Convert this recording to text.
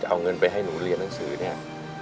เอาเงินไปให้หนูเรียนหนังสือเนี่ย